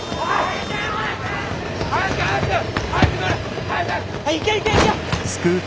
行け行け行け！